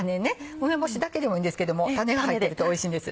梅干しだけでもいいんですけども種が入ってるとおいしいんです。